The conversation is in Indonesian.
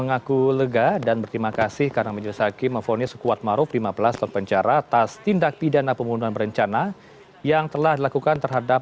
atas tindak pidana pembunuhan yosua